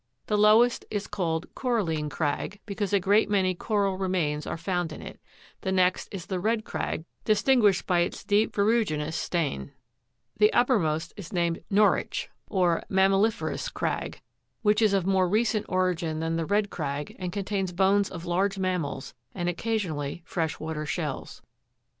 The lowest is called coralline crag, because a great many coral remains are found in it ; the next is the red crag, distinguished by its deep ferru'ginous stain ; the uppermost is named Norwich, or mammali'ferous crag, which is of more recent origin than the red crag, and contains bones of large mammals, and occasionally fresh water shells.